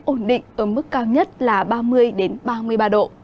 ổn định ở mức cao nhất là ba mươi ba mươi ba độ